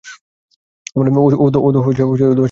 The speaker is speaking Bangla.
ও সবসময় আমাকে বলতো।